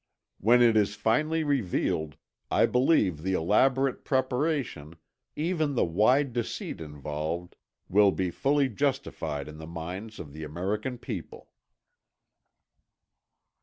When it is finally revealed, I believe the elaborate preparation—even the wide deceit involved—will be fully justified in the minds of the American people.